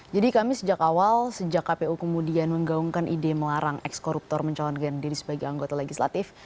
jadi kami sejak awal sejak kpu kemudian menggaungkan ide melarang eks koruptor mencalonkan diri sebagai anggota legislatif